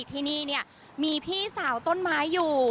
ที่นี่เนี่ยมีพี่สาวต้นไม้อยู่